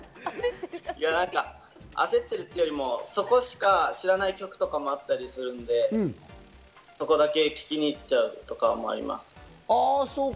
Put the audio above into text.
焦ってるっていうよりも、そこしか知らない曲とかもあったりするんで、そこだけ聴きに行っちゃうとかも思います。